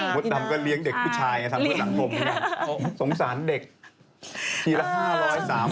บทดำก็เลี้ยงเด็กผู้ชายทำเพื่อสังคม